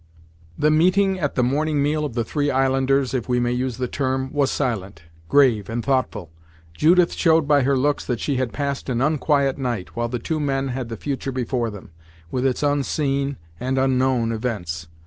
The meeting at the morning meal of the three islanders, if we may use the term, was silent, grave and thoughtful. Judith showed by her looks that she had passed an unquiet night, while the two men had the future before them, with its unseen and unknown events.